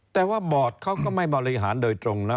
แต่ว่าบอร์ดเขาก็ไม่บริหารโดยตรงนะ